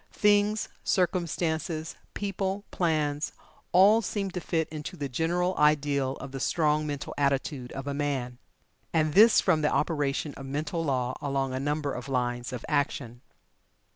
Things, circumstances, people, plans, all seem to fit into the general ideal of the strong mental attitude of a man. And this from the operation of mental law along a number of lines of action.